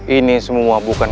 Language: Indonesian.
ini semua bukan